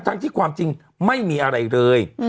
ทั้งที่ความจริงไม่มีอะไรเลย